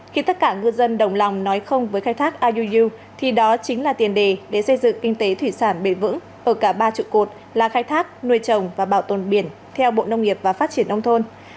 khi tất cả ngư dân đồng lòng nói không với khai thác iuu thì đó chính là tiền đề để xây dựng kinh tế thủy sản bền vững ở cả ba trụ cột là khai thác nuôi trồng và bảo tồn biển theo bộ nông nghiệp và phát triển nông thôn